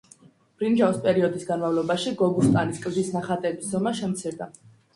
ბრინჯაოს პერიოდის განმავლობაში, გობუსტანის კლდის ნახატების ზომა შემცირდა.